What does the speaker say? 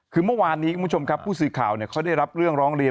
คือเมื่อวานนี้คุณผู้ชมครับผู้สื่อข่าวเขาได้รับเรื่องร้องเรียน